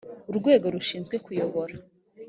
urwego rushinzwe kuyobora